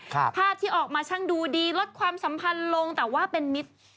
ภาพที่ออกมาช่างดูดีลดความสัมพันธ์ลงแต่ว่าเป็นมิตร